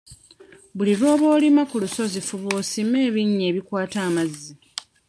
Buli lw'oba olima ku lusozi fuba osime ebinnya ebikwata amazzi.